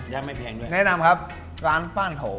ยังไม่แพงด้วยแนะนำครับร้านฟ่านโถ